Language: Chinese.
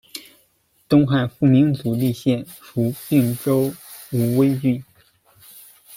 东汉复名袓厉县，属并州武威郡。